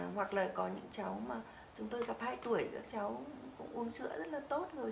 hoặc là có những cháu mà chúng tôi gặp hai tuổi các cháu cũng uống sữa rất là tốt rồi